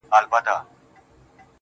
هغي نجلۍ چي زما له روحه به یې ساه شړله